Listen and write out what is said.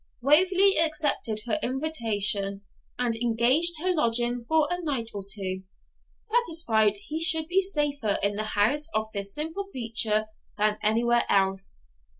Waverley accepted her invitation, and engaged her lodging for a night or two, satisfied he should be safer in the house of this simple creature than anywhere else.